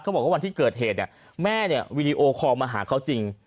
บอกว่าวันที่เกิดเหตุแม่เนี่ยวีดีโอคอลมาหาเขาจริง